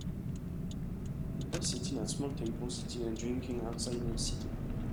People sitting at small tables eating and drinking outside in a city.